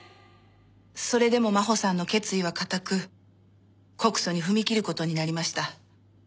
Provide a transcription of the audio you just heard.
それでも真穂さんの決意は固く告訴に踏み切る事になりました。